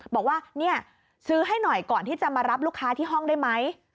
บอกว่าเนี่ยซื้อให้หน่อยก่อนที่จะมารับลูกค้าที่ห้องได้ไหม